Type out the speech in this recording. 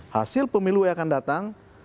hasil pemilu yang akan datang